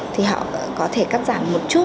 thì họ có thể cắt giảm nhiều lợi nhuận